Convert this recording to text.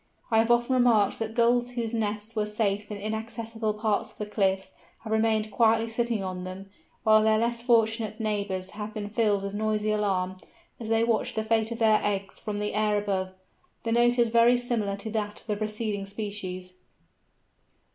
I have often remarked that Gulls whose nests were safe in inaccessible parts of the cliffs have remained quietly sitting on them, while their less fortunate neighbours have been filled with noisy alarm, as they watched the fate of their eggs from the air above. The note is very similar to that of the preceding species.